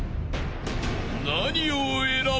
［何を選ぶ？］